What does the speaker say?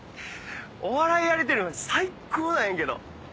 お笑いやれてるん最高なんやけど。